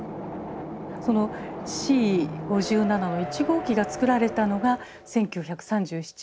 そのＣ５７の１号機がつくられたのが１９３７年昭和１２年。